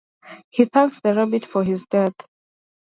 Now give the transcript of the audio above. He thanks the rabbit for his deed.